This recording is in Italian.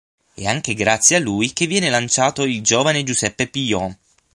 E anche grazie a lui che viene "lanciato" il giovane Giuseppe Pillon.